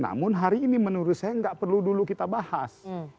namun hari ini menurut saya nggak perlu dulu kita bahas